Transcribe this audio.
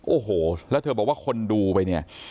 โอ้โหแล้วเธอบอกว่าคนดูไปเนี่ย